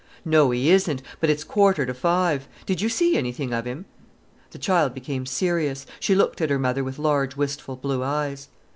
"No, he isn't. But it's a quarter to five! Did you see anything of him?" The child became serious. She looked at her mother with large, wistful blue eyes.